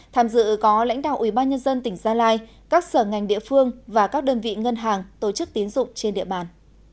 tham dự có lãnh đạo ubnd tỉnh gia lai các sở ngành địa phương và các đơn vị ngân hàng tổ chức tiến dụng trên địa bàn